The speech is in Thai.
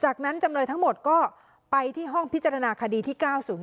จากนั้นจำเลยทั้งหมดก็ไปที่ห้องพิจารณาคดีที่๙๐